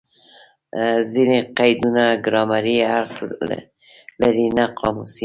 ځیني قیدونه ګرامري اړخ لري؛ نه قاموسي.